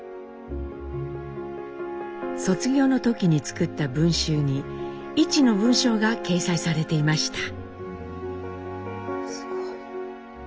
卒業の時に作った文集に一の文章が掲載されていました。